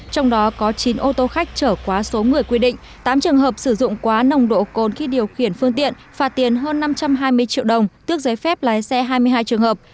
trong đó có chín ô tô khách trở quá số người quy định tám trường hợp sử dụng quá nồng độ cồn khi điều khiển phương tiện phạt tiền hơn năm trăm hai mươi triệu đồng tước giấy phép lái xe hai mươi hai trường hợp